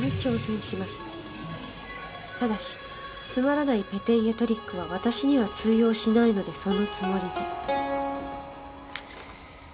「ただしつまらないペテンやトリックは私には通用しないのでそのつもりで」